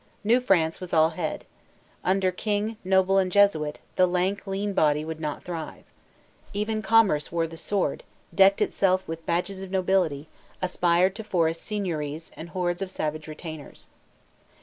New France was all head. Under king, noble, and Jesuit, the lank, lean body would not thrive. Even commerce wore the sword, decked itself with badges of nobility, aspired to forest seigniories and hordes of savage retainers.